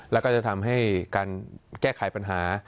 แล้วก็จะทำให้การแก้ไขปัญหา